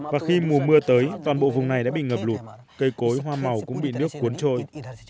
và khi mùa mưa tới toàn bộ vùng này đã bị ngập lụt cây cối hoa màu cũng bị nước cuốn trôi